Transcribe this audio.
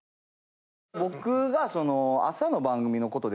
僕が。